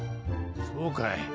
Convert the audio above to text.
そうかい。